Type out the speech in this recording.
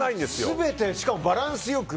全て、しかもバランス良く。